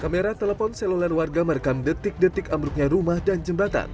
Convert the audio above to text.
kamera telepon seluler warga merekam detik detik amruknya rumah dan jembatan